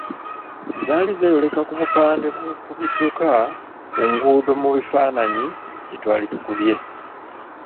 Zaali zeeyoleka ku bupande bw’oku bidduka ku nguudo mu bifaananyi bye twali tukubye.